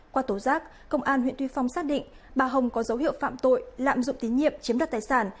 qua tố giác công an huyện tuy phong xác định bà hồng có dấu hiệu phạm tội lạm dụng tín nhiệm chiếm đoạt tài sản